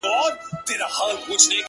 خالقه بيا به له هندارو سره څه کومه--